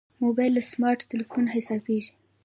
موبایل له سمارټ تلېفونه حسابېږي.